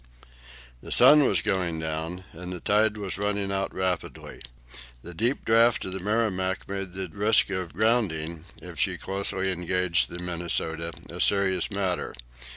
The sun was going down and the tide was running out rapidly. The deep draught of the "Merrimac" made the risk of grounding, if she closely engaged the "Minnesota," a serious matter.